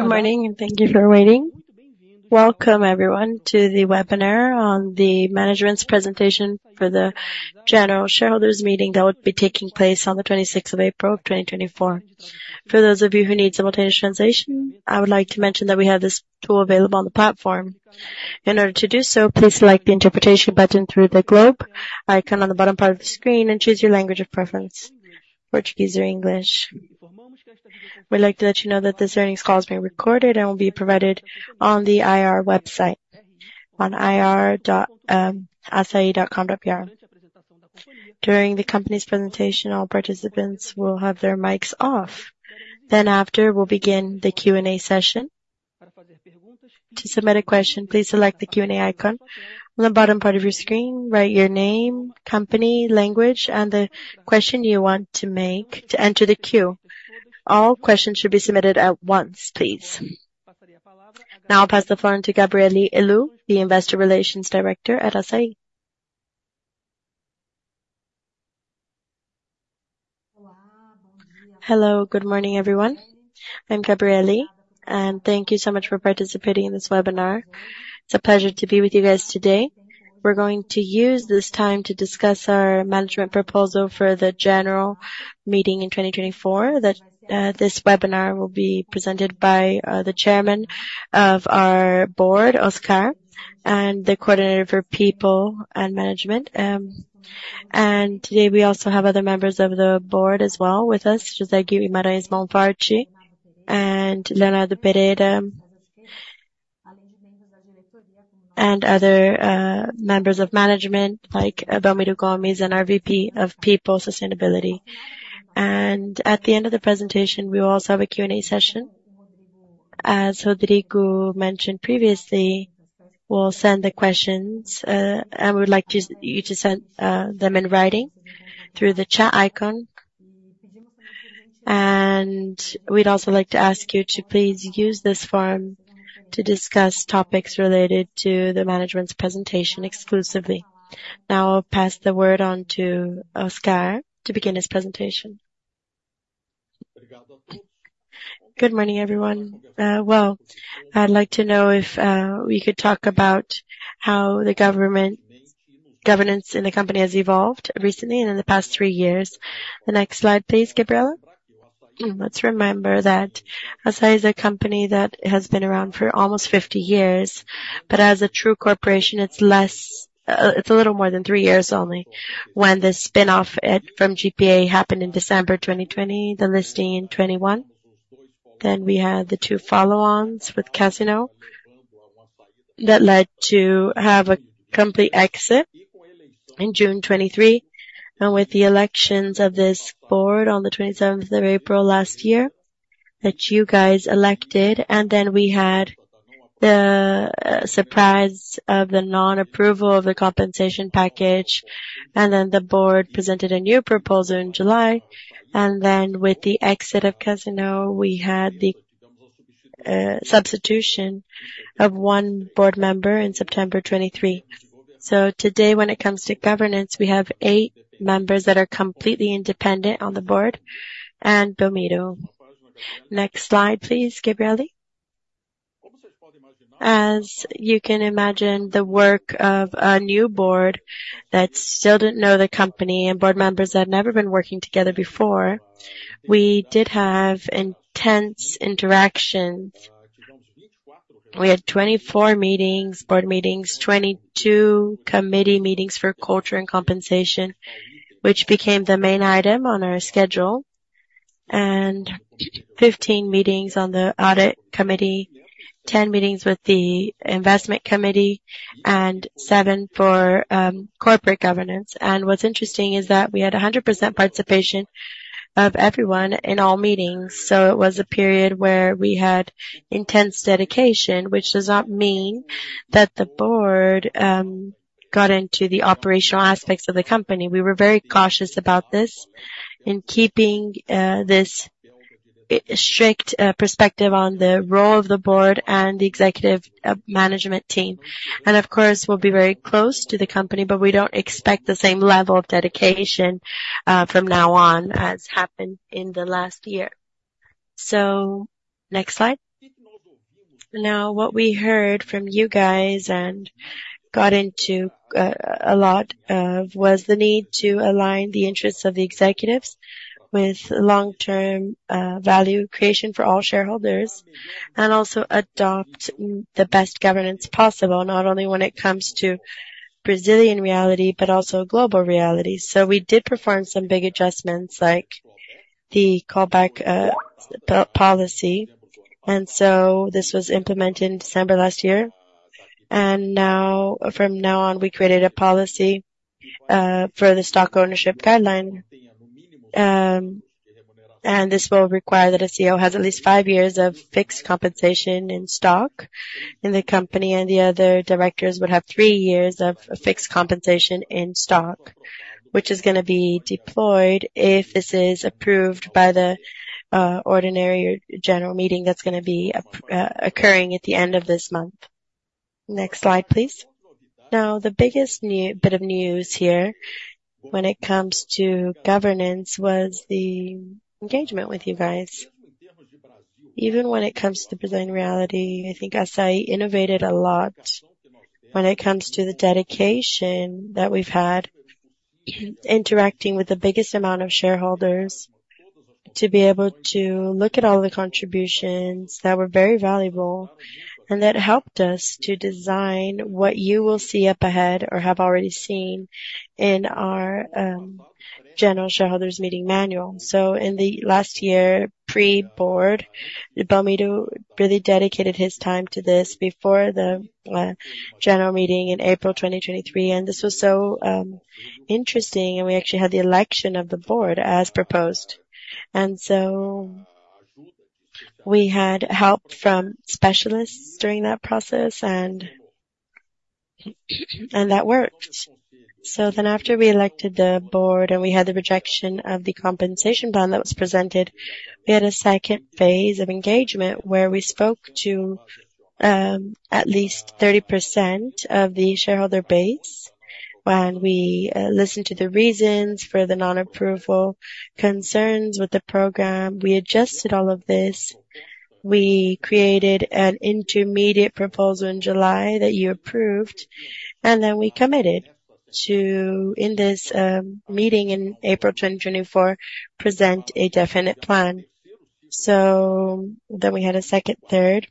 Good morning and thank you for waiting. Welcome, everyone, to the webinar on the management's presentation for the General Shareholders' Meeting that would be taking place on the 26th of April of 2024. For those of you who need simultaneous translation, I would like to mention that we have this tool available on the platform. In order to do so, please select the interpretation button through the globe icon on the bottom part of the screen and choose your language of preference: Portuguese or English. We'd like to let you know that this earnings call is being recorded and will be provided on the IR website, on ir.assai.com.br. During the company's presentation, all participants will have their mics off. Then after, we'll begin the Q&A session. To submit a question, please select the Q&A icon on the bottom part of your screen, write your name, company, language, and the question you want to make to enter the queue. All questions should be submitted at once, please. Now I'll pass the floor on to Gabrielle Helú, the Investor Relations Director at Assaí. Hello, good morning, everyone. I'm Gabrielle, and thank you so much for participating in this webinar. It's a pleasure to be with you guys today. We're going to use this time to discuss our management proposal for the General Meeting in 2024. This webinar will be presented by the Chairman of our board, Oscar, and the coordinator for People and Management. Today we also have other members of the board as well with us, such as Guimarães Monforte and Leonardo Pereira, and other members of management like Belmiro Gomes and our VP of People and Sustainability. At the end of the presentation, we will also have a Q&A session. As Rodrigo mentioned previously, we'll send the questions, and we would like you to send them in writing through the chat icon. We'd also like to ask you to please use this form to discuss topics related to the management's presentation exclusively. Now I'll pass the word on to Oscar to begin his presentation. Obrigado a todos. Good morning, everyone. Well, I'd like to know if we could talk about how the governance in the company has evolved recently and in the past three years. The next slide, please, Gabrielle. Let's remember that Assaí is a company that has been around for almost 50 years, but as a true corporation, it's a little more than three years only. When the spin-off from GPA happened in December 2020, the listing in 2021, then we had the two follow-ons with Casino that led to having a complete exit in June 2023. And with the elections of this board on the 27th of April last year that you guys elected, and then we had the surprise of the non-approval of the compensation package, and then the board presented a new proposal in July. Then with the exit of Casino, we had the substitution of one board member in September 2023. So today, when it comes to governance, we have eight members that are completely independent on the board and Belmiro. Next slide, please, Gabrielle. As you can imagine, the work of a new board that still didn't know the company and board members that had never been working together before, we did have intense interactions. We had 24 board meetings, 22 committee meetings for Culture and Compensation, which became the main item on our schedule, and 15 meetings on the Audit Committee, 10 meetings with the Investment Committee, and 7 for Corporate Governance. What's interesting is that we had 100% participation of everyone in all meetings. So it was a period where we had intense dedication, which does not mean that the board got into the operational aspects of the company. We were very cautious about this in keeping this strict perspective on the role of the board and the executive management team. Of course, we'll be very close to the company, but we don't expect the same level of dedication from now on as happened in the last year. Next slide. Now, what we heard from you guys and got into a lot of was the need to align the interests of the executives with long-term value creation for all shareholders and also adopt the best governance possible, not only when it comes to Brazilian reality but also global reality. We did perform some big adjustments like the Clawback Policy. This was implemented in December last year. From now on, we created a policy for the Stock Ownership Guideline. This will require that a CEO has at least five years of fixed compensation in stock in the company, and the other directors would have three years of fixed compensation in stock, which is going to be deployed if this is Ordinary General Meeting that's going to be occurring at the end of this month. Next slide, please. Now, the biggest bit of news here when it comes to governance was the engagement with you guys. Even when it comes to the Brazilian reality, I think Assaí innovated a lot when it comes to the dedication that we've had interacting with the biggest amount of shareholders to be able to look at all the contributions that were very valuable and that helped us to design what you will see up ahead or have already seen in our General Shareholders' Meeting Manual. So in the last year, pre-board, Belmiro really dedicated his time to this before the General Meeting in April 2023. And this was so interesting, and we actually had the election of the board as proposed. And so we had help from specialists during that process, and that worked. So then after we elected the board and we had the rejection of the compensation plan that was presented, we had a second phase of engagement where we spoke to at least 30% of the shareholder base and we listened to the reasons for the non-approval, concerns with the program. We adjusted all of this. We created an intermediate proposal in July that you approved, and then we committed to, in this meeting in April 2024, present a definite plan. So then we had a second third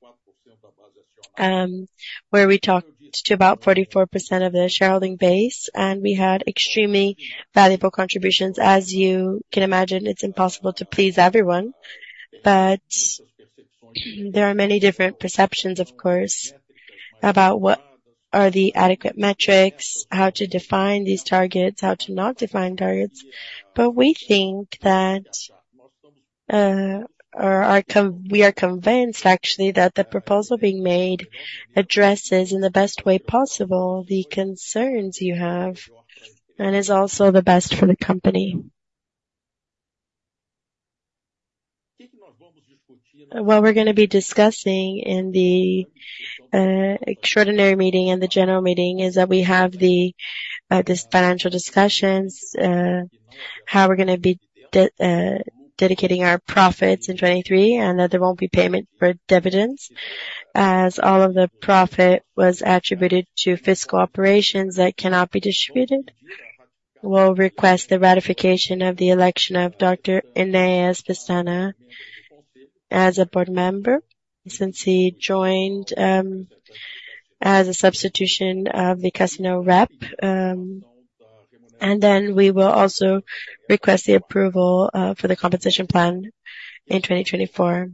where we talked to about 44% of the shareholding base, and we had extremely valuable contributions. As you can imagine, it's impossible to please everyone, but there are many different perceptions, of course, about what are the adequate metrics, how to define these targets, how to not define targets. But we think that we are convinced, actually, that the proposal being made addresses in the best way possible the concerns you have and is also the best for the company. What we're going Extraordinary General Meeting and the general meeting is that we have these financial discussions, how we're going to be dedicating our profits in 2023, and that there won't be payment for dividends. As all of the profit was attributed to fiscal operations that cannot be distributed, we'll request the ratification of the election of Dr. Enéas Pestana as a board member since he joined as a substitution of the Casino rep. Then we will also request the approval for the compensation plan in 2024.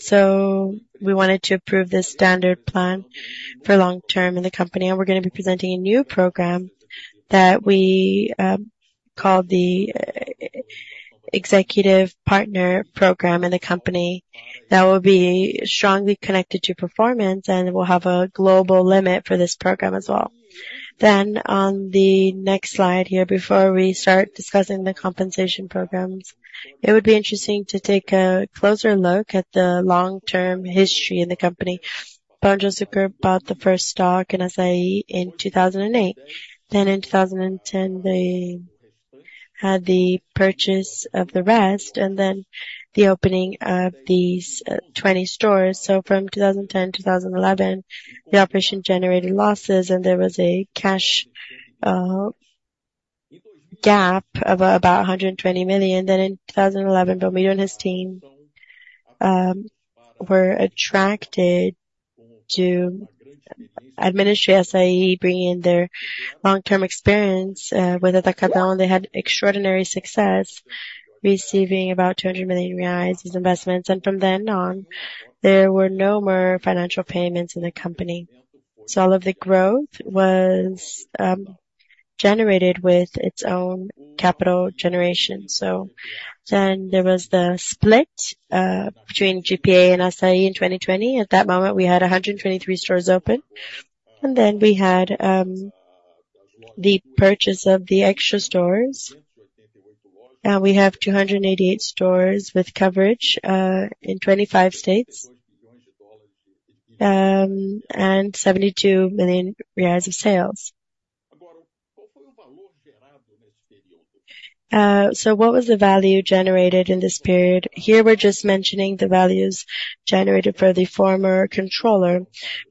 So we wanted to approve this standard plan for long-term in the company, and we're going to be presenting a new program that we call the Executive Partner Program in the company that will be strongly connected to performance, and we'll have a global limit for this program as well. Then on the next slide here, before we start discussing the compensation programs, it would be interesting to take a closer look at the long-term history in the company. Casino Group bought the first stock in Assaí in 2008. Then in 2010, they had the purchase of the rest and then the opening of these 20 stores. So from 2010 to 2011, the operation generated losses, and there was a cash gap of about 120 million. Then in 2011, Belmiro and his team were attracted to administer Assaí, bringing in their long-term experience with Atacadão. They had extraordinary success receiving about 200 million reais as investments. And from then on, there were no more financial payments in the company. So all of the growth was generated with its own capital generation. So then there was the split between GPA and Assaí in 2020. At that moment, we had 123 stores open, and then we had the purchase of the Extra stores. Now we have 288 stores with coverage in 25 states and BRL 72 million of sales. So what was the value generated in this period? Here we're just mentioning the values generated for the former controller.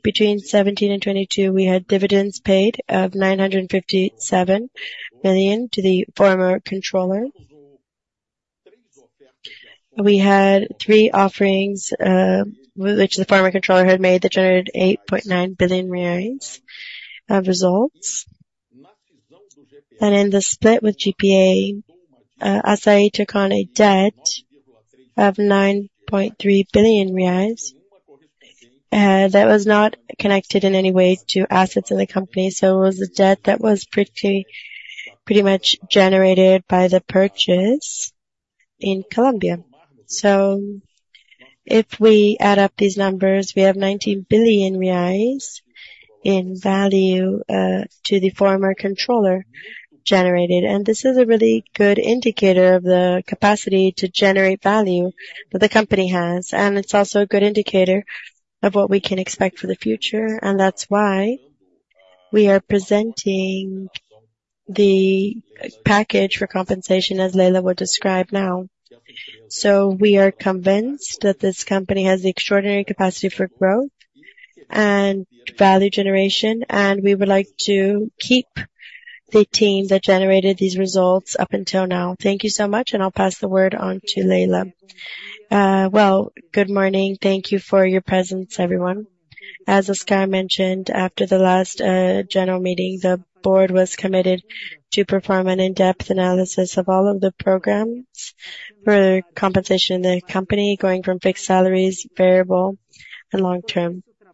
Between 2017 and 2022, we had dividends paid of 957 million to the former controller. We had 3 offerings, which the former controller had made that generated 8.9 billion of results. In the split with GPA, Assaí took on a debt of 9.3 billion reais that was not connected in any way to assets in the company. It was a debt that was pretty much generated by the purchase in Colombia. If we add up these numbers, we have 19 billion reais in value to the former controller generated. This is a really good indicator of the capacity to generate value that the company has. It's also a good indicator of what we can expect for the future. That's why we are presenting the package for compensation, as Leila will describe now. So we are convinced that this company has the extraordinary capacity for growth and value generation, and we would like to keep the team that generated these results up until now. Thank you so much, and I'll pass the word on to Leila. Well, good morning. Thank you for your presence, everyone. As Oscar mentioned, after the last General Meeting, the board was committed to perform an in-depth analysis of all of the programs for compensation in the company, going from fixed salaries, variable, and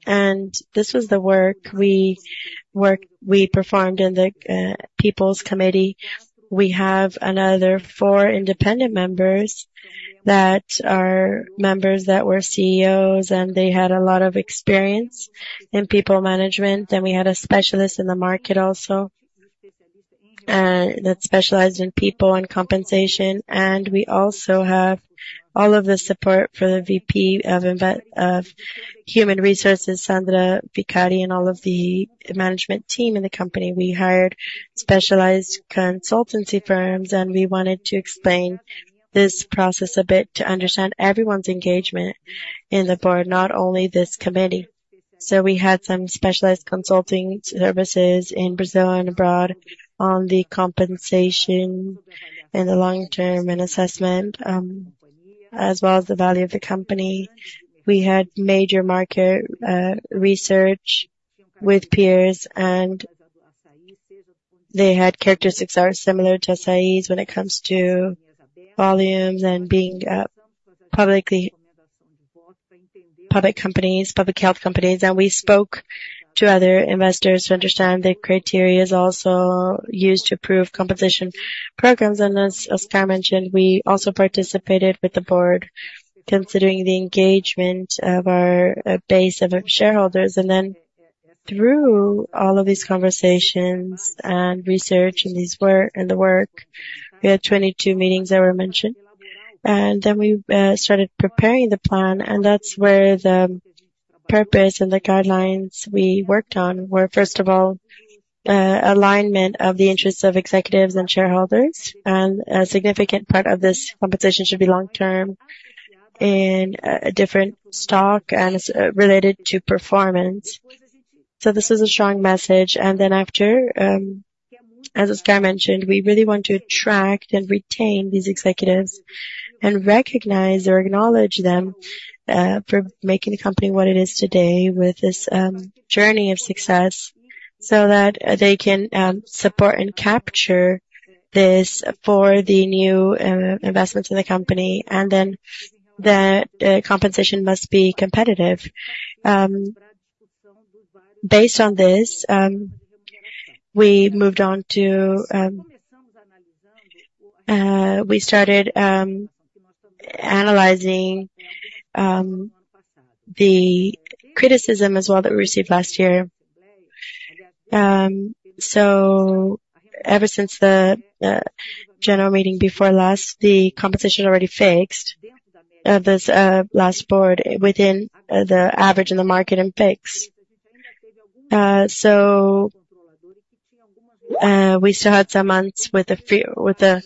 long-term. This was the work we performed in the People's Committee. We have another four independent members that are members that were CEOs, and they had a lot of experience in people management. Then we had a specialist in the market also that specialized in people and compensation. We also have all of the support for the VP of Human Resources, Sandra Vicari, and all of the management team in the company. We hired specialized consultancy firms, and we wanted to explain this process a bit to understand everyone's engagement in the board, not only this committee. We had some specialized consulting services in Brazil and abroad on the compensation and the long-term and assessment, as well as the value of the company. We had major market research with peers, and they had characteristics that are similar to Assaí's when it comes to volumes and being public companies, publicly held companies. We spoke to other investors to understand the criteria also used to approve compensation programs. As Oscar mentioned, we also participated with the board considering the engagement of our base of shareholders. And then through all of these conversations and research and the work, we had 22 meetings that were mentioned. And then we started preparing the plan, and that's where the purpose and the guidelines we worked on were, first of all, alignment of the interests of executives and shareholders. And a significant part of this compensation should be long-term in a different stock and related to performance. So this was a strong message. And then after, as Oscar mentioned, we really want to attract and retain these executives and recognize or acknowledge them for making the company what it is today with this journey of success so that they can support and capture this for the new investments in the company. And then the compensation must be competitive. Based on this, we moved on to we started analyzing the criticism as well that we received last year. So ever since the General Meeting before last, the compensation already fixed this last board within the average in the market and fixed. We still had some months with the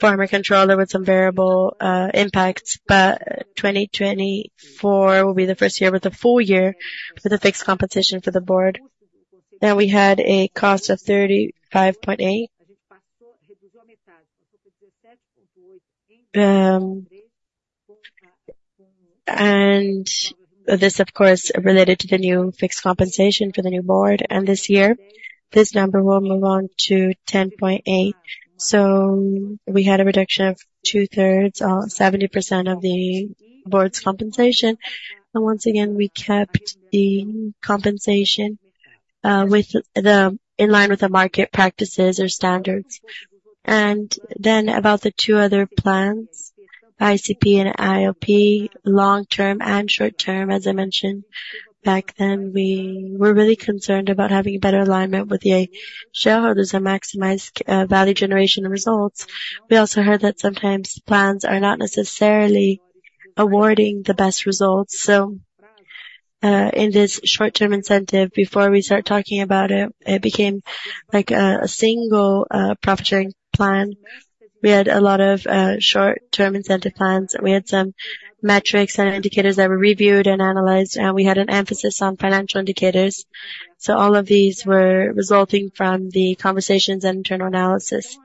former controller with some variable impacts, but 2024 will be the first year with a full year with a fixed compensation for the board. We had a cost of 35.8 million. And this, of course, related to the new fixed compensation for the new board. This year, this number will move on to 10.8 million. We had a reduction of two-thirds, 70% of the board's compensation. And once again, we kept the compensation in line with the market practices or standards. Then about the two other plans, ICP and ILP, long-term and short-term, as I mentioned back then, we were really concerned about having a better alignment with the shareholders and maximize value generation results. We also heard that sometimes plans are not necessarily awarding the best results. In this short-term incentive, before we started talking about it, it became like a single profit-sharing plan. We had a lot of short-term incentive plans. We had some metrics and indicators that were reviewed and analyzed, and we had an emphasis on financial indicators. All of these were resulting from the conversations and internal analysis.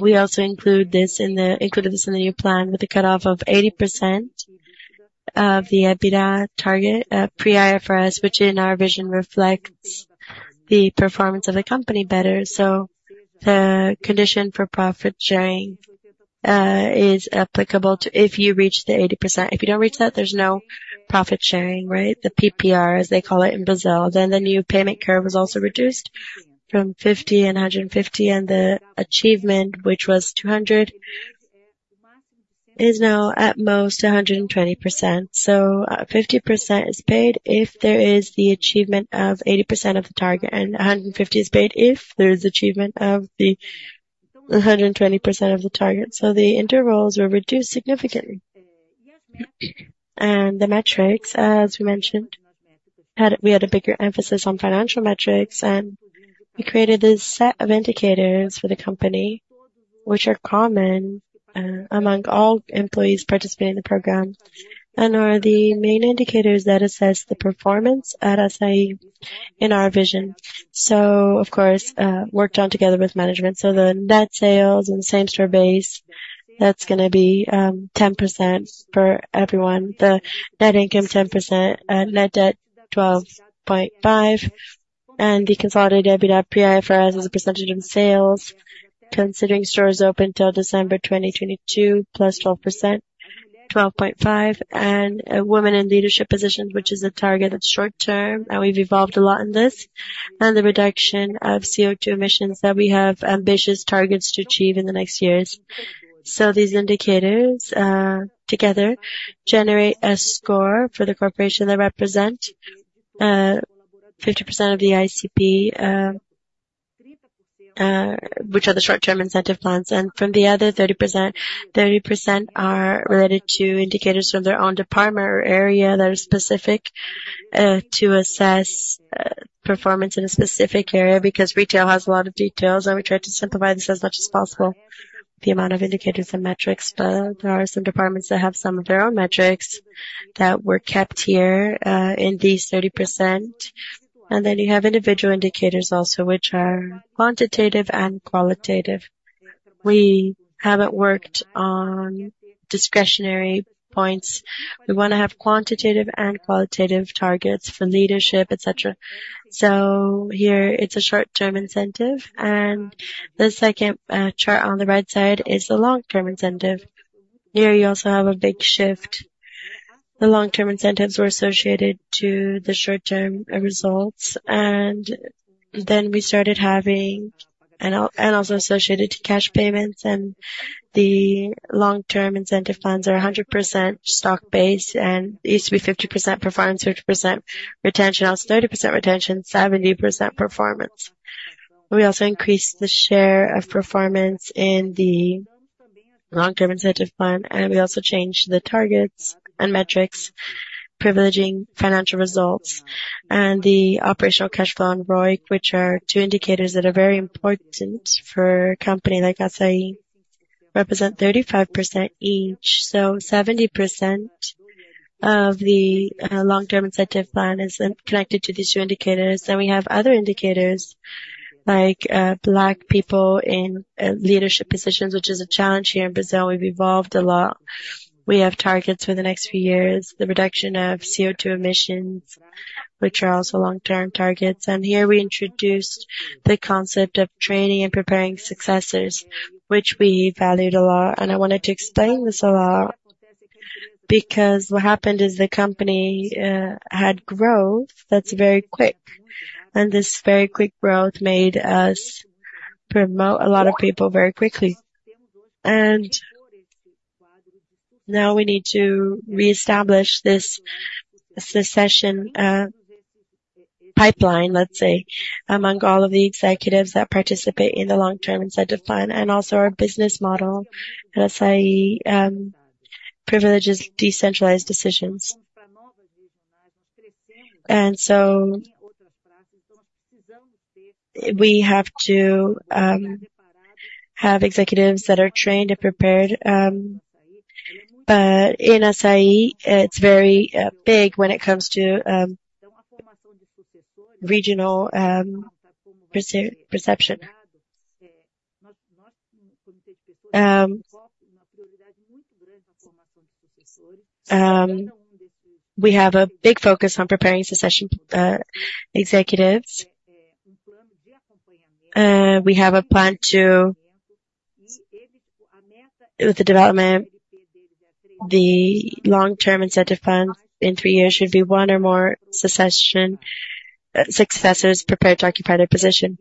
We also included this in the new plan with a cutoff of 80% of the EBITDA target pre-IFRS, which in our vision reflects the performance of the company better. The condition for profit-sharing is applicable if you reach the 80%. If you don't reach that, there's no profit-sharing, right? The PPR, as they call it in Brazil. Then the new payment curve was also reduced from 50 and 150, and the achievement, which was 200, is now at most 120%. So 50% is paid if there is the achievement of 80% of the target, and 150 is paid if there is achievement of the 120% of the target. So the intervals were reduced significantly. And the metrics, as we mentioned, we had a bigger emphasis on financial metrics, and we created this set of indicators for the company, which are common among all employees participating in the program and are the main indicators that assess the performance at Assaí in our vision. So, of course, worked on together with management. So the net sales and same-store base, that's going to be 10% for everyone. The net income, 10%. Net debt, 12.5%. The consolidated EBITDA pre-IFRS is a percentage of sales, considering stores open till December 2022, plus 12.5. Women in leadership positions, which is a target that's short-term, and we've evolved a lot in this. The reduction of CO2 emissions that we have ambitious targets to achieve in the next years. So these indicators together generate a score for the corporation that represent 50% of the ICP, which are the short-term incentive plans. From the other 30%, 30% are related to indicators from their own department or area that are specific to assess performance in a specific area because retail has a lot of details, and we try to simplify this as much as possible, the amount of indicators and metrics. But there are some departments that have some of their own metrics that were kept here in these 30%. And then you have individual indicators also, which are quantitative and qualitative. We haven't worked on discretionary points. We want to have quantitative and qualitative targets for leadership, etc. So here, it's a short-term incentive, and the second chart on the right side is the long-term incentive. Here, you also have a big shift. The long-term incentives were associated to the short-term results, and then we started having and also associated to cash payments. And the long-term incentive plans are 100% stock-based, and it used to be 50% performance, 50% retention, also 30% retention, 70% performance. We also increased the share of performance in the long-term incentive plan, and we also changed the targets and metrics, privileging financial results. And the operational cash flow and ROIC, which are two indicators that are very important for a company like Assaí, represent 35% each. 70% of the long-term incentive plan is connected to these two indicators. Then we have other indicators like Black people in leadership positions, which is a challenge here in Brazil. We've evolved a lot. We have targets for the next few years, the reduction of CO2 emissions, which are also long-term targets. Here, we introduced the concept of training and preparing successors, which we valued a lot. I wanted to explain this a lot because what happened is the company had growth that's very quick, and this very quick growth made us promote a lot of people very quickly. Now we need to reestablish this succession pipeline, let's say, among all of the executives that participate in the long-term incentive plan and also our business model. Assaí privileges decentralized decisions. We have to have executives that are trained and prepared. But in Assaí, it's very big when it comes to regional perception. We have a big focus on preparing succession executives. We have a plan to. And the long-term incentive plans. In three years, should be one or more successors prepared to occupy their position.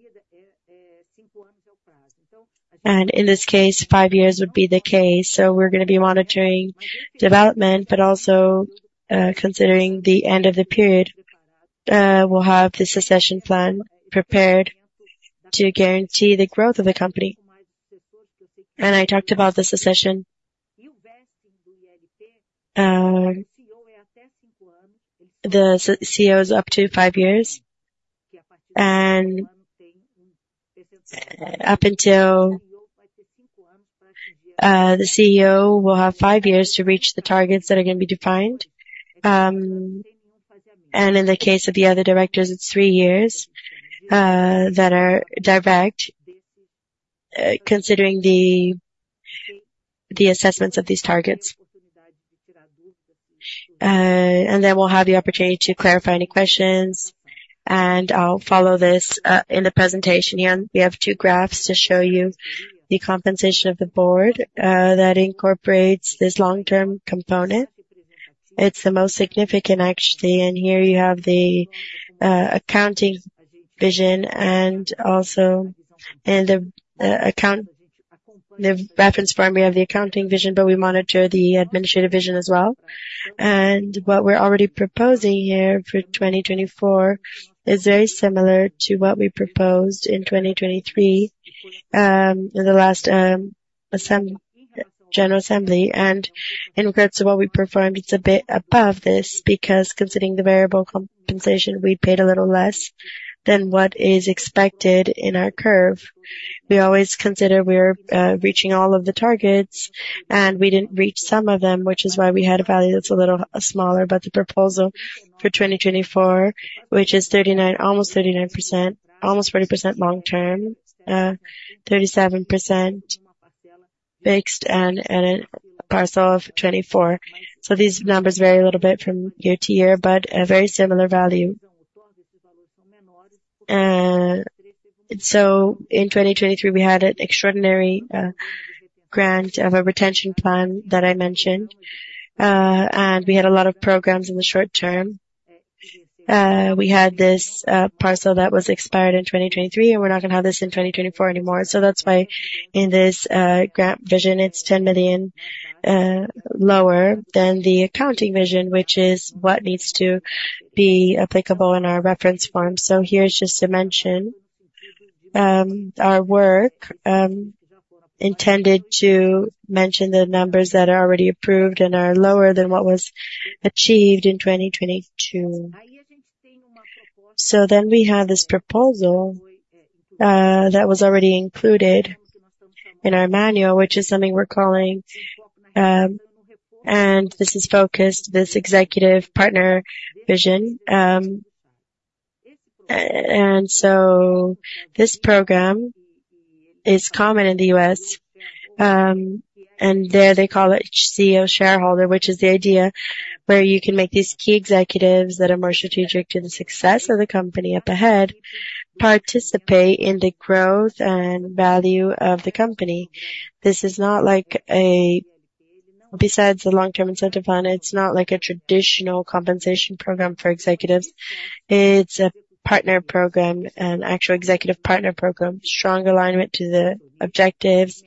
And in this case, five years would be the case. So we're going to be monitoring development, but also considering the end of the period, we'll have the succession plan prepared to guarantee the growth of the company. And I talked about the succession. The CEO is up to five years. And up until the CEO will have five years to reach the targets that are going to be defined. And in the case of the other directors, it's three years that are direct, considering the assessments of these targets. Then we'll have the opportunity to clarify any questions, and I'll follow this in the presentation here. We have two graphs to show you the compensation of the board that incorporates this long-term component. It's the most significant, actually. Here you have the accounting vision and also the reference primary of the accounting vision, but we monitor the administrative vision as well. What we're already proposing here for 2024 is very similar to what we proposed in 2023 in the last general assembly. In regards to what we performed, it's a bit above this because considering the variable compensation, we paid a little less than what is expected in our curve. We always consider we are reaching all of the targets, and we didn't reach some of them, which is why we had a value that's a little smaller. But the proposal for 2024, which is almost 39%, almost 40% long-term, 37% fixed, and a parcel of 24%. So these numbers vary a little bit from year to year, but a very similar value. So in 2023, we had an extraordinary grant of a retention plan that I mentioned, and we had a lot of programs in the short term. We had this parcel that was expired in 2023, and we're not going to have this in 2024 anymore. So that's why in this grant vision, it's 10 million lower than the accounting vision, which is what needs to be applicable in our Reference Forms. So here's just to mention our work intended to mention the numbers that are already approved and are lower than what was achieved in 2022. So then we have this proposal that was already included in our manual, which is something we're calling. This is focused on this executive partner vision. This program is common in the U.S., and there they call it CEO shareholder, which is the idea where you can make these key executives that are more strategic to the success of the company up ahead participate in the growth and value of the company. This is not like a besides the long-term incentive plan, it's not like a traditional compensation program for executives. It's a partner program, an actual Executive Partner Program, strong alignment to the objectives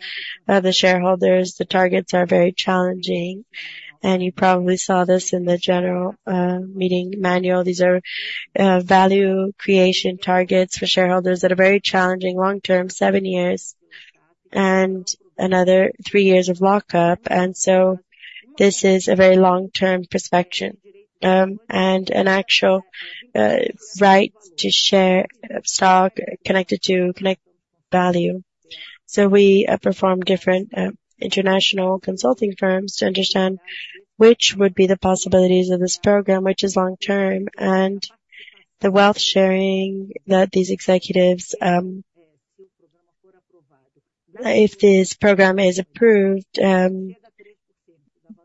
of the shareholders. The targets are very challenging, and you probably saw this in the General Meeting manual. These are value creation targets for shareholders that are very challenging long-term, 7 years, and another 3 years of lockup. This is a very long-term prospect and an actual right to share stock connected to create value. So we performed different international consulting firms to understand which would be the possibilities of this program, which is long-term, and the wealth sharing that these executives if this program is approved,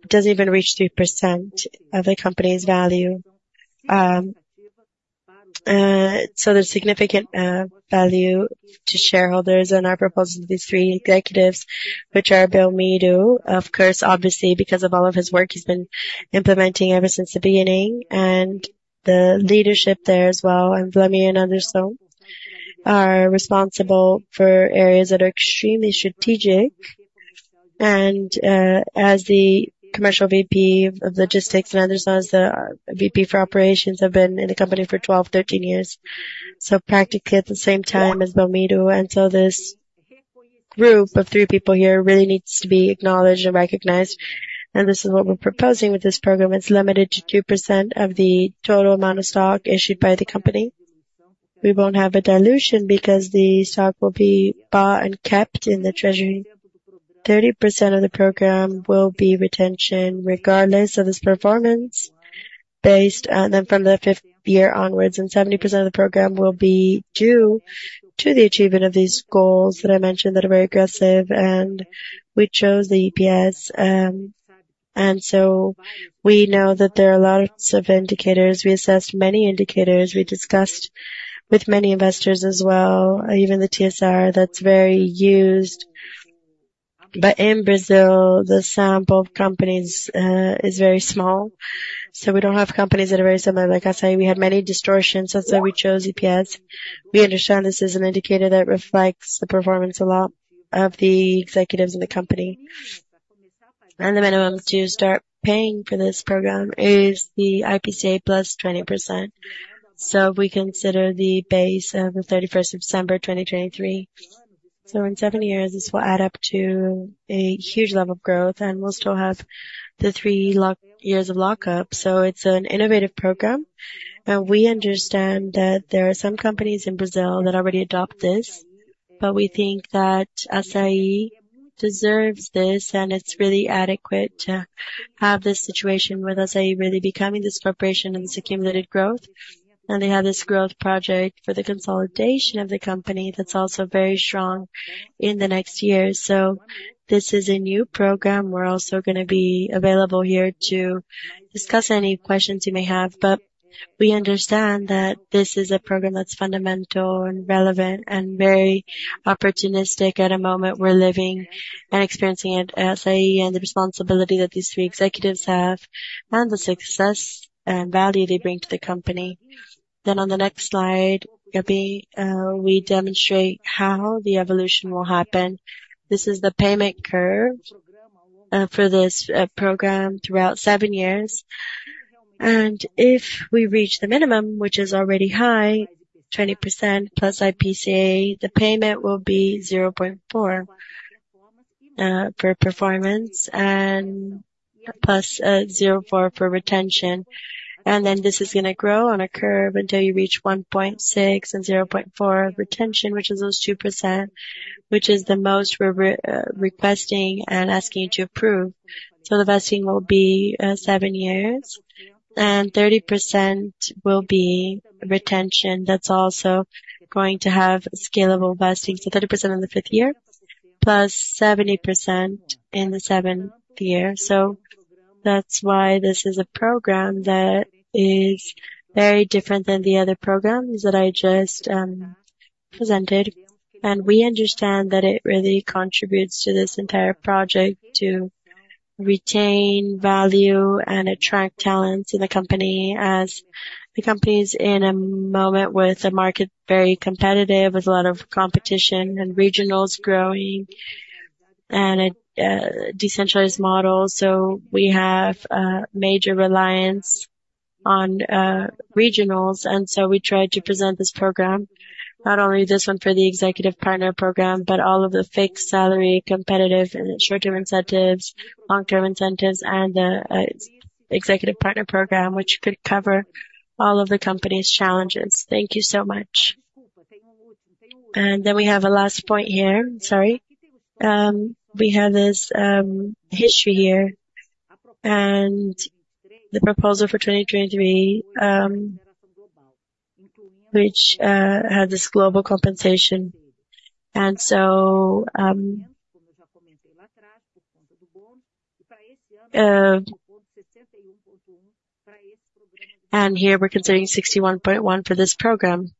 it doesn't even reach 3% of the company's value. So there's significant value to shareholders in our proposal to these three executives, which are Belmiro, of course, obviously, because of all of his work he's been implementing ever since the beginning, and the leadership there as well, and Wlamir and Anderson are responsible for areas that are extremely strategic. And as the Commercial VP of Logistics and Anderson, as the VP for Operations, have been in the company for 12, 13 years, so practically at the same time as Belmiro. And so this group of three people here really needs to be acknowledged and recognized. And this is what we're proposing with this program. It's limited to 2% of the total amount of stock issued by the company. We won't have a dilution because the stock will be bought and kept in the treasury. 30% of the program will be retention regardless of this performance based on then from the fifth year onwards. 70% of the program will be due to the achievement of these goals that I mentioned that are very aggressive, and we chose the EPS. So we know that there are lots of indicators. We assessed many indicators. We discussed with many investors as well, even the TSR that's very used. But in Brazil, the sample of companies is very small. So we don't have companies that are very similar. Like I said, we had many distortions, that's why we chose EPS. We understand this is an indicator that reflects the performance a lot of the executives in the company. The minimum to start paying for this program is the IPCA plus 20%. We consider the base of the 31st of December, 2023. In seven years, this will add up to a huge level of growth, and we'll still have the three years of lockup. It's an innovative program, and we understand that there are some companies in Brazil that already adopt this, but we think that Assaí deserves this, and it's really adequate to have this situation with Assaí really becoming this corporation and this accumulated growth. They have this growth project for the consolidation of the company that's also very strong in the next year. This is a new program. We're also going to be available here to discuss any questions you may have. But we understand that this is a program that's fundamental and relevant and very opportunistic at a moment we're living and experiencing at Assaí and the responsibility that these three executives have and the success and value they bring to the company. Then on the next slide, we demonstrate how the evolution will happen. This is the payment curve for this program throughout seven years. And if we reach the minimum, which is already high, 20% + IPCA, the payment will be 0.4 for performance + 0.4 for retention. And then this is going to grow on a curve until you reach 1.6 and 0.4 of retention, which is those 2%, which is the most we're requesting and asking you to approve. So the vesting will be seven years, and 30% will be retention that's also going to have scalable vesting. So 30% in the fifth year plus 70% in the seventh year. So that's why this is a program that is very different than the other programs that I just presented. And we understand that it really contributes to this entire project to retain value and attract talents in the company as the company's in a moment with a market very competitive, with a lot of competition and regionals growing and a decentralized model. So we have major reliance on regionals, and so we tried to present this program, not only this one for the Executive Partner Program, but all of the fixed salary competitive and short-term incentives, long-term incentives, and the Executive Partner Program, which could cover all of the company's challenges. Thank you so much. And then we have a last point here. Sorry. We have this history here and the proposal for 2023, which had this global compensation. So here we're considering 61.1 million for this program.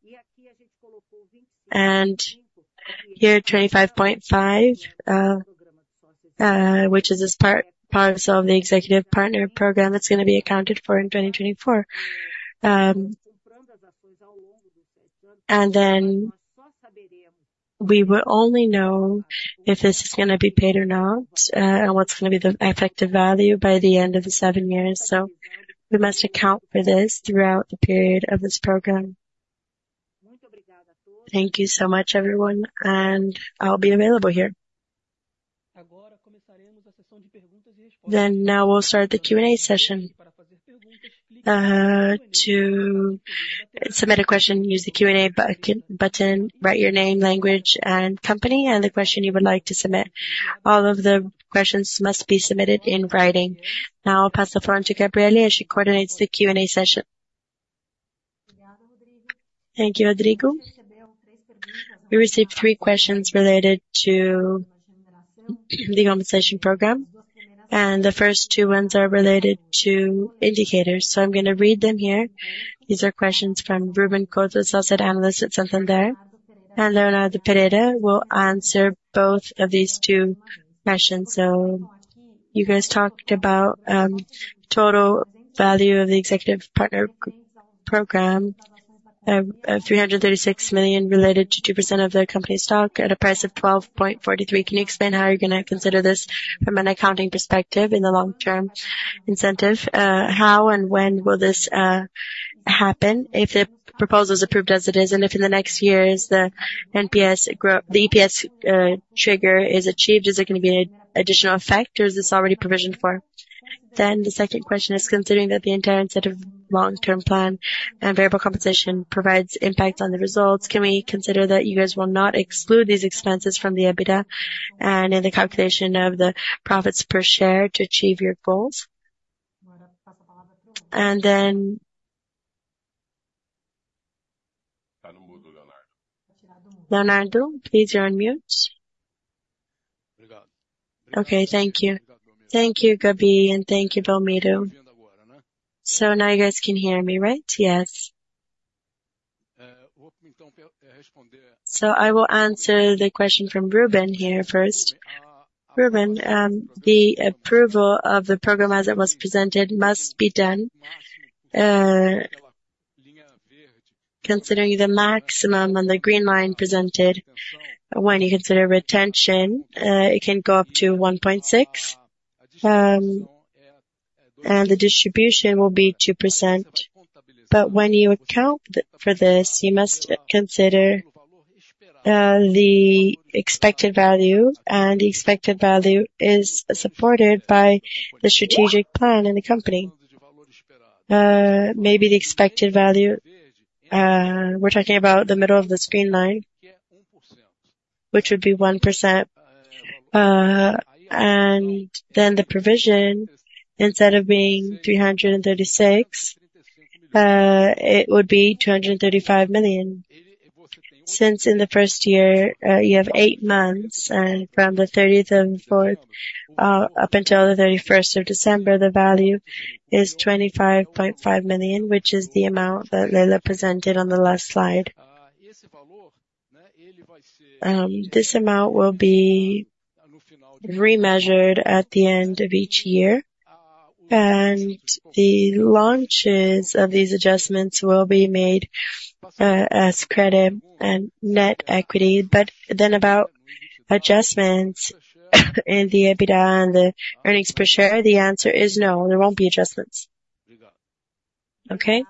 Here 25.5 million, which is this parcel of the Executive Partner Program that's going to be accounted for in 2024. Then we will only know if this is going to be paid or not and what's going to be the effective value by the end of the seven years. So we must account for this throughout the period of this program. Thank you so much, everyone, and I'll be available here. Now we'll start the Q&A session. To submit a question, use the Q&A button, write your name, language, and company, and the question you would like to submit. All of the questions must be submitted in writing. Now I'll pass the floor on to Gabrielle as she coordinates the Q&A session. Thank you, Rodrigo. We received three questions related to the compensation program, and the first two ones are related to indicators. So I'm going to read them here. These are questions from Ruben Couto, asset analyst at Santander. And Leonardo Pereira will answer both of these two questions. So you guys talked about total value of the Executive Partner Program, 336 million related to 2% of the company's stock at a price of 12.43. Can you explain how you're going to consider this from an accounting perspective in the long-term incentive? How and when will this happen if the proposal is approved as it is? And if in the next years the EPS trigger is achieved, is there going to be an additional effect, or is this already provisioned for? Then the second question is, considering that the entire incentive long-term plan and variable compensation provides impact on the results, can we consider that you guys will not exclude these expenses from the EBITDA and in the calculation of the profits per share to achieve your goals? And then Leonardo, please, you're on mute. Okay, thank you. Thank you, Gabi, and thank you, Belmiro. So now you guys can hear me, right? Yes. So I will answer the question from Ruben here first. Ruben, the approval of the program as it was presented must be done. Considering the maximum on the green line presented, when you consider retention, it can go up to 1.6, and the distribution will be 2%. But when you account for this, you must consider the expected value, and the expected value is supported by the strategic plan in the company. Maybe the expected value we're talking about the middle of the screen line, which would be 1%. And then the provision, instead of being 336, it would be 235 million. Since in the first year, you have 8 months, and from the 30th and 4th up until the 31st of December, the value is 25.5 million, which is the amount that Leila presented on the last slide. This amount will be remeasured at the end of each year, and the launches of these adjustments will be made as credit and net equity. But then about adjustments in the EBITDA and the earnings per share, the answer is no. There won't be adjustments. Okay?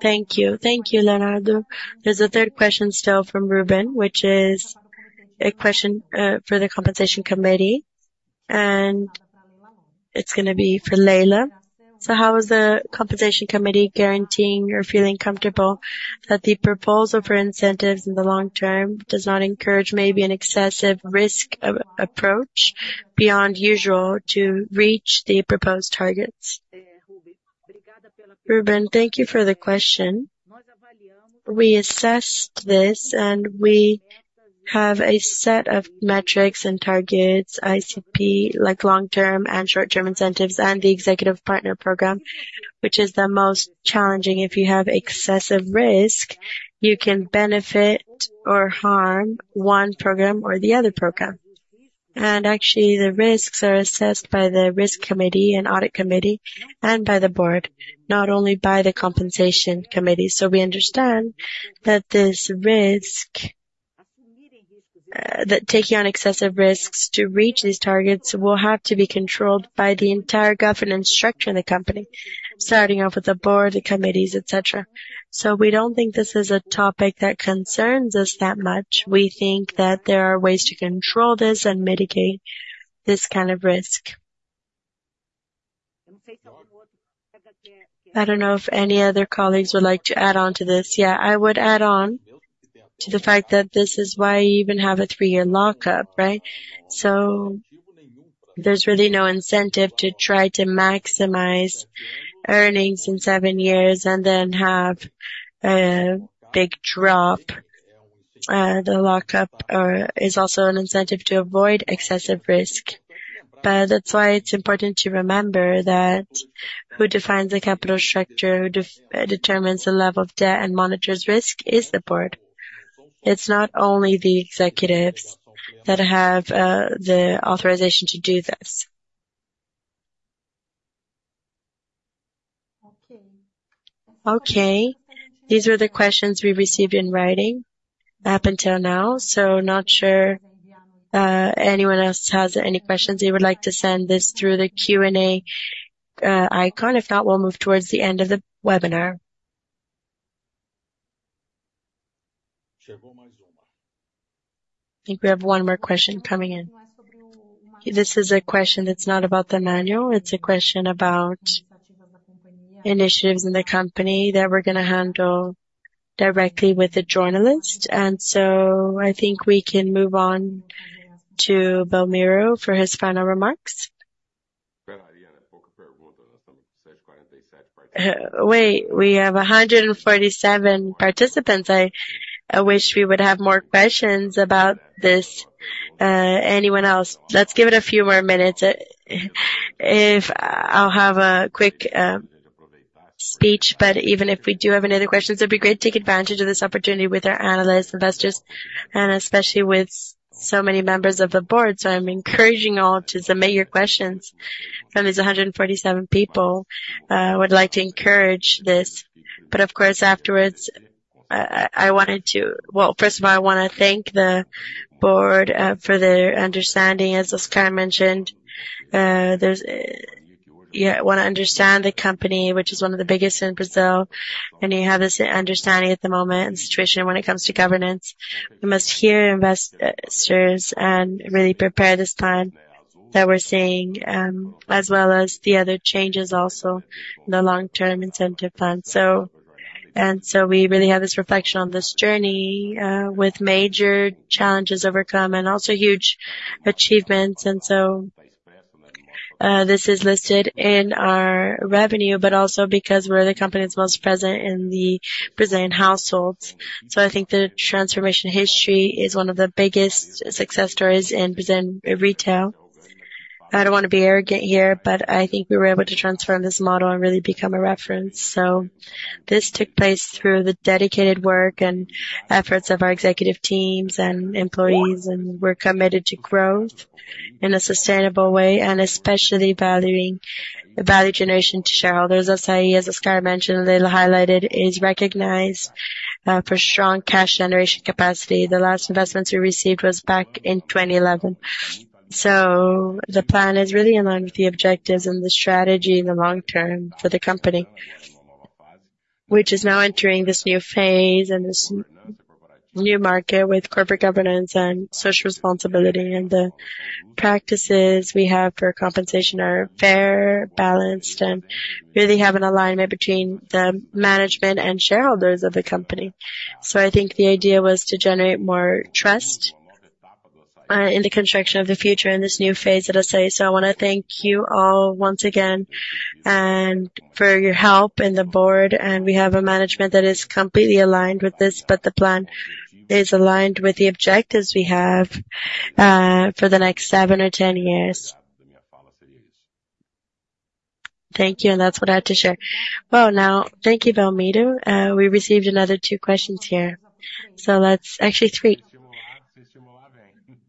Thank you. Thank you, Leonardo. There's a third question still from Ruben, which is a question for the Compensation Committee, and it's going to be for Leila. So how is the Compensation Committee guaranteeing or feeling comfortable that the proposal for incentives in the long term does not encourage maybe an excessive risk approach beyond usual to reach the proposed targets? Ruben, thank you for the question. We assessed this, and we have a set of metrics and targets, ICP, like long-term and short-term incentives, and the executive partner program, which is the most challenging. If you have excessive risk, you can benefit or harm one program or the other program. And actually, the risks are assessed by the Risk Committee and Audit Committee and by the board, not only by the Compensation Committee. So we understand that taking on excessive risks to reach these targets will have to be controlled by the entire governance structure in the company, starting off with the board, the committees, etc. We don't think this is a topic that concerns us that much. We think that there are ways to control this and mitigate this kind of risk. I don't know if any other colleagues would like to add on to this. Yeah, I would add on to the fact that this is why you even have a 3-year lockup, right? So there's really no incentive to try to maximize earnings in 7 years and then have a big drop. The lockup is also an incentive to avoid excessive risk. But that's why it's important to remember that who defines the capital structure, who determines the level of debt, and monitors risk is the board. It's not only the executives that have the authorization to do this. Okay? These were the questions we received in writing up until now. So not sure anyone else has any questions. You would like to send this through the Q&A icon? If not, we'll move towards the end of the webinar. I think we have one more question coming in. This is a question that's not about the manual. It's a question about initiatives in the company that we're going to handle directly with the journalist. So I think we can move on to Belmiro for his final remarks. Wait, we have 147 participants. I wish we would have more questions about this. Anyone else? Let's give it a few more minutes. I'll have a quick speech, but even if we do have any other questions, it'd be great to take advantage of this opportunity with our analysts, investors, and especially with so many members of the board. So I'm encouraging all to submit your questions from these 147 people. I would like to encourage this. Of course, afterwards, I wanted to—well, first of all, I want to thank the board for their understanding. As Oscar mentioned, you want to understand the company, which is one of the biggest in Brazil, and you have this understanding at the moment and situation when it comes to governance. We must hear investors and really prepare this plan that we're seeing, as well as the other changes also in the long-term incentive plan. So we really have this reflection on this journey with major challenges overcome and also huge achievements. So this is listed in our revenue, but also because we're the company that's most present in the Brazilian households. So I think the transformation history is one of the biggest success stories in Brazilian retail. I don't want to be arrogant here, but I think we were able to transform this model and really become a reference. So this took place through the dedicated work and efforts of our executive teams and employees, and we're committed to growth in a sustainable way, and especially valuing value generation to shareholders. As Oscar mentioned, Leila highlighted, is recognized for strong cash generation capacity. The last investments we received was back in 2011. So the plan is really in line with the objectives and the strategy in the long term for the company, which is now entering this new phase and this new market with Corporate Governance and social responsibility, and the practices we have for compensation are fair, balanced, and really have an alignment between the management and shareholders of the company. So I think the idea was to generate more trust in the construction of the future in this new phase at SA. I want to thank you all once again for your help and the board. We have a management that is completely aligned with this, but the plan is aligned with the objectives we have for the next seven or 10 years. Thank you, and that's what I had to share. Well, now, thank you, Belmiro. We received another two questions here. Let's actually three.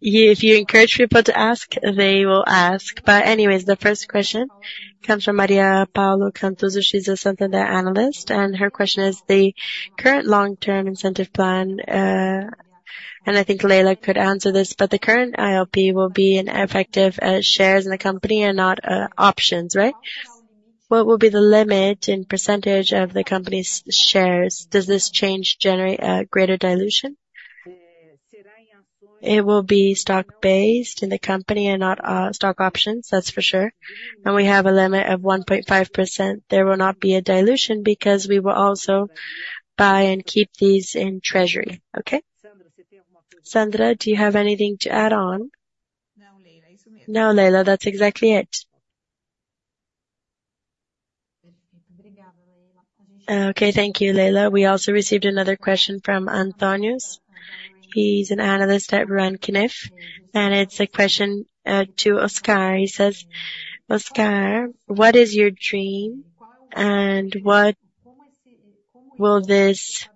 If you encourage people to ask, they will ask. But anyways, the first question comes from Maria Paula Cantusio; she's a Santander analyst. Her question is the current long-term incentive plan. I think Leila could answer this, but the current ILP will be effective shares in the company and not options, right? What will be the limit in percentage of the company's shares? Does this change generate a greater dilution? It will be stock-based in the company and not stock options, that's for sure. And we have a limit of 1.5%. There will not be a dilution because we will also buy and keep these in treasury. Okay? Sandra, do you have anything to add on? No, Leila. That's exactly it. Okay, thank you, Leila. We also received another question from Antônio. He's an analyst at Ruane Cunniff, and it's a question to Oscar. He says, "Oscar, what is your dream and what will this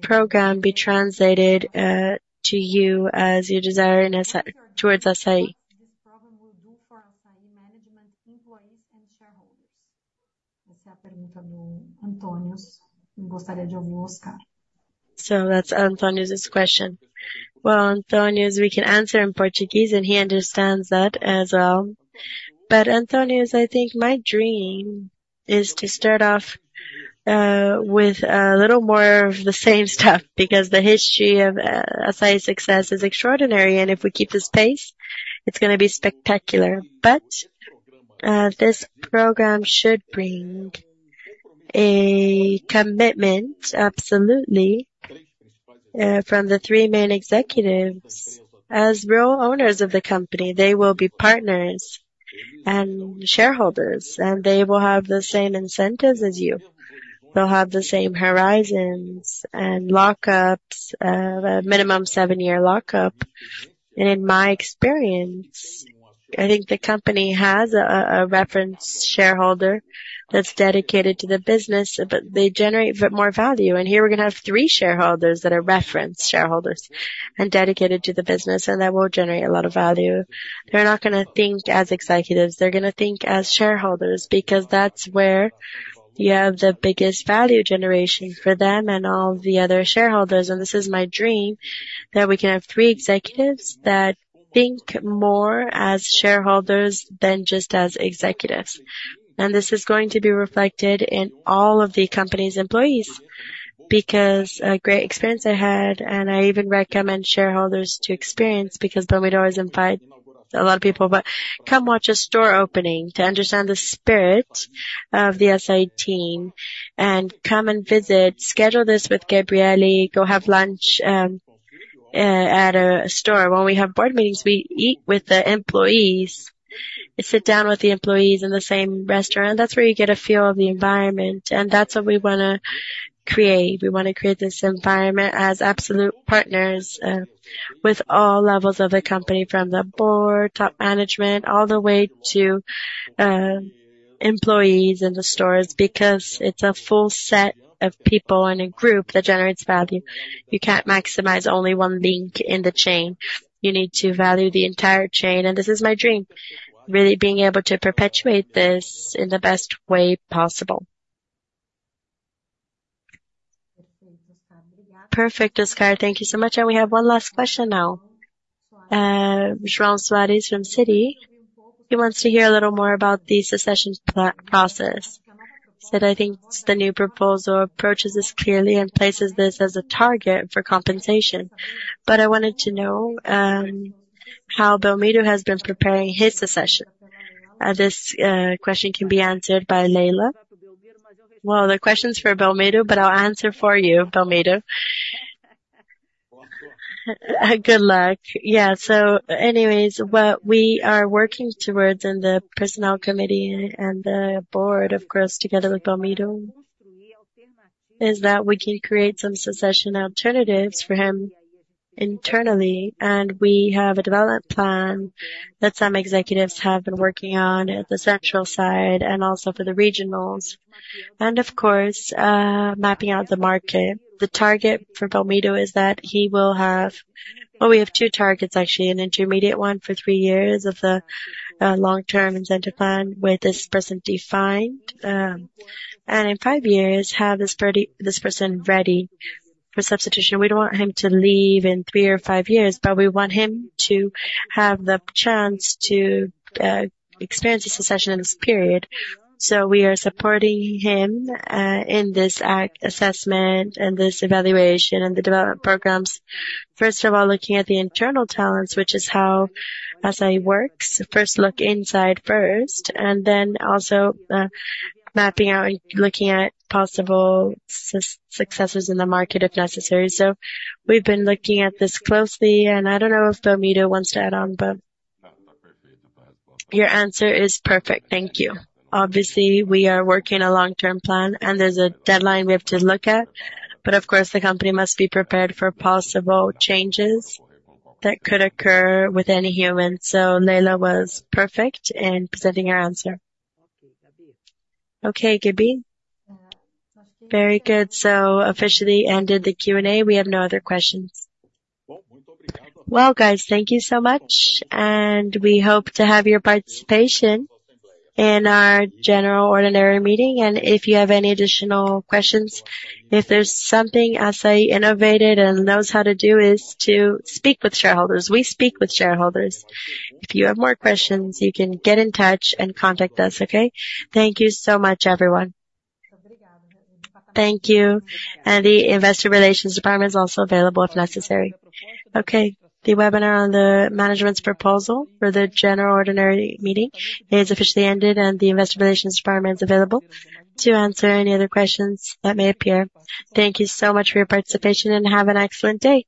program be translated to you as you desire towards SA?" So that's Antônio's question. Well, Antônio, we can answer in Portuguese, and he understands that as well. But Antônio, I think my dream is to start off with a little more of the same stuff because the history of Assaí success is Extraordinary, and if we keep this pace, it's going to be spectacular. But this program should bring a commitment, absolutely, from the three main executives as real owners of the company. They will be partners and shareholders, and they will have the same incentives as you. They'll have the same horizons and lockups, minimum 7-year lockup. And in my experience, I think the company has a reference shareholder that's dedicated to the business, but they generate more value. And here we're going to have three shareholders that are reference shareholders and dedicated to the business, and that will generate a lot of value. They're not going to think as executives. They're going to think as shareholders because that's where you have the biggest value generation for them and all the other shareholders. And this is my dream, that we can have three executives that think more as shareholders than just as executives. And this is going to be reflected in all of the company's employees because a great experience I had, and I even recommend shareholders to experience because Belmiro has invited a lot of people, but come watch a store opening to understand the spirit of the Assaí team. And come and visit, schedule this with Gabrielle, go have lunch at a store. When we have board meetings, we eat with the employees. We sit down with the employees in the same restaurant. That's where you get a feel of the environment, and that's what we want to create. We want to create this environment as absolute partners with all levels of the company, from the board, top management, all the way to employees in the stores because it's a full set of people and a group that generates value. You can't maximize only one link in the chain. You need to value the entire chain. And this is my dream, really being able to perpetuate this in the best way possible. Perfect, Oscar. Thank you so much. And we have one last question now. João Soares from Citi, he wants to hear a little more about the succession process. He said, "I think the new proposal approaches this clearly and places this as a target for compensation." But I wanted to know how Belmiro has been preparing his succession. This question can be answered by Leila. Well, the question's for Belmiro, but I'll answer for you, Belmiro. Good luck. Yeah, so anyways, what we are working towards in the personnel committee and the board, of course, together with Belmiro, is that we can create some succession alternatives for him internally. And we have a development plan that some executives have been working on at the central side and also for the regionals, and of course, mapping out the market. The target for Belmiro is that he will have well, we have two targets, actually, an intermediate one for three years of the long-term incentive plan with this person defined. And in five years, have this person ready for succession. We don't want him to leave in three or five years, but we want him to have the chance to experience a succession in this period. So we are supporting him in this assessment and this evaluation and the development programs. First of all, looking at the internal talents, which is how SA works, first look inside first, and then also mapping out and looking at possible successors in the market if necessary. So we've been looking at this closely, and I don't know if Belmiro wants to add on, but your answer is perfect. Thank you. Obviously, we are working a long-term plan, and there's a deadline we have to look at. But of course, the company must be prepared for possible changes that could occur with any human. So Leila was perfect in presenting her answer. Okay, Gaby? Very good. So officially ended the Q&A. We have no other questions. Well, guys, thank you so much, and we hope to have your participation in our Ordinary General Meeting. If you have any additional questions, if there's something Assaí innovated and knows how to do is to speak with shareholders. We speak with shareholders. If you have more questions, you can get in touch and contact us, okay? Thank you so much, everyone. Thank you. The investor relations department is also available if necessary. Okay, the webinar on the management's proposal Ordinary General Meeting is officially ended, and the investor relations department is available to answer any other questions that may appear. Thank you so much for your participation, and have an excellent day.